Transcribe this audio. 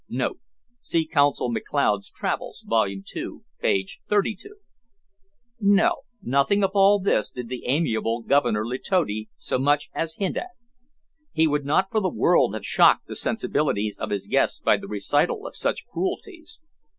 [See Consul McLeod's Travels, volume two page 32.] No, nothing of all this did the amiable Governor Letotti so much as hint at. He would not for the world have shocked the sensibilities of his guests by the recital of such cruelties.